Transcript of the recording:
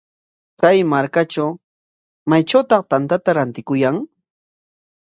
Kay markatraw, ¿maytrawtaq tantata rantikuyan?